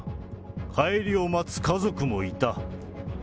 帰りを待つ家族もいた。